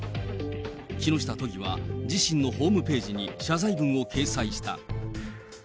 木下都議は、自身のホームページに謝罪文を掲載した。